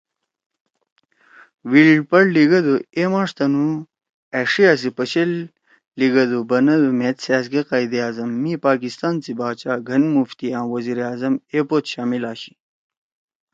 ولپرٹ لیِگدُو، ”اے ماݜ تنُو أݜیا سی پشیل لیگَدُو بَنَدُو مھید سأزکے قائداعظم می پاکستان سی باچا، گھن مفتی آں وزیر اعظم اے پوت شامل آشی